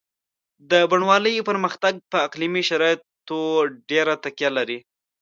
د بڼوالۍ پرمختګ په اقلیمي شرایطو ډېره تکیه لري.